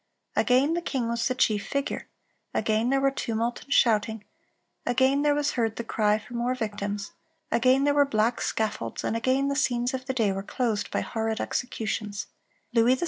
"Again the king was the chief figure; again there were tumult and shouting; again there was heard the cry for more victims; again there were black scaffolds; and again the scenes of the day were closed by horrid executions; Louis XVI.